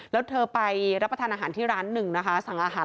แล้วเธอไปรับประทานอาหารที่ร้าน๑สั่งอาหาร